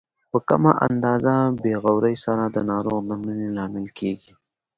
په کمه اندازه بې غورۍ سره د ناروغ د مړینې لامل کیږي.